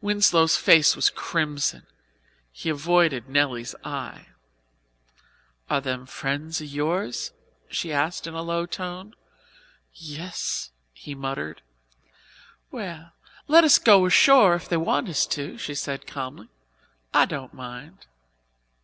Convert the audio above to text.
Winslow's face was crimson. He avoided Nelly's eye. "Are them people friends of yours?" she asked in a low tone. "Yes," he muttered. "Well, let us go ashore if they want us to," she said calmly. "I don't mind."